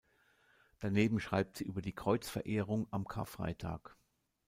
Daneben schreibt sie über die Kreuzverehrung am Karfreitag.